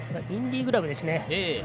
インディグラブですね。